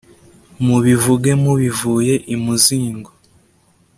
mubivuge mu bivuye imuzingo